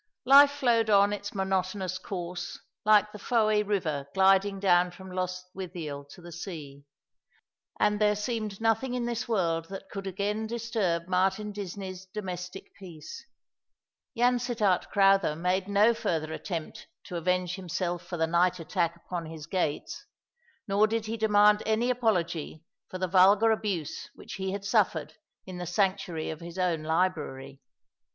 Life flowed on its monotonous course, like the Fowcy river gliding down from Lostwithicl to the sea; and there seemed nothing in this world that could again disturb Martin Disney's domestic peace. Yansittart Crowther made no 198 All along the River. further attempt to avenge himself for the night attack upon his gates; nor did he demand any apology for the vulgar abuse which he had suffered in the sanctuary of his own library.